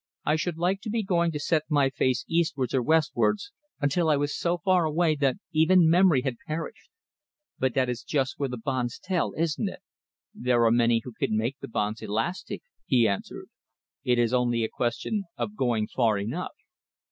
I should like to be going to set my face eastwards or westwards until I was so far away that even memory had perished. But that is just where the bonds tell, isn't it?" "There are many who can make the bonds elastic," he answered. "It is only a question of going far enough."